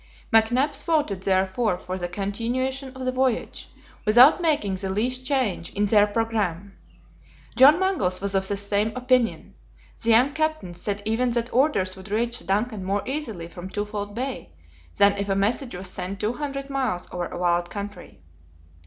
McNabbs voted therefore for the continuation of the voyage, without making the least change in their programme. John Mangles was of the same opinion. The young captain said even that orders would reach the DUNCAN more easily from Twofold Bay, than if a message was sent two hundred miles over a wild country.